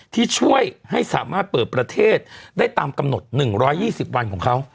ที่ช่วยให้สามารถเปิดประเทศได้ตามกำหนด๑๒๐วันของเขา